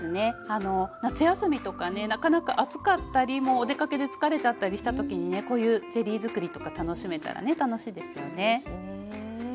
夏休みとかねなかなか暑かったりもうお出かけで疲れちゃったりした時にねこういうゼリーづくりとか楽しめたらね楽しいですよね。ですね。